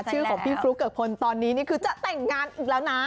ชื่อของพี่ฟลุ๊กเกิกพลตอนนี้นี่คือจะแต่งงานอีกแล้วนะ